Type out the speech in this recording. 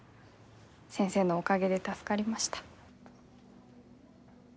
先生のおかげで助かりました。